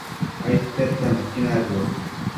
aidtedta nuqui nabëo